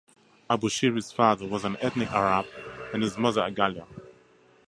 Abushiri's father was an ethnic Arab and his mother a Galla.